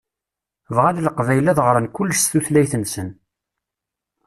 Bɣan Leqbayel ad ɣṛen kullec s tutlayt-nsen.